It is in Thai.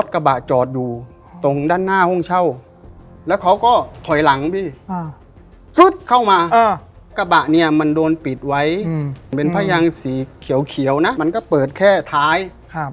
กระบะจอดอยู่ตรงด้านหน้าห้องเช่าแล้วเขาก็ถอยหลังพี่ซุดเข้ามากระบะเนี่ยมันโดนปิดไว้เป็นผ้ายางสีเขียวนะมันก็เปิดแค่ท้าย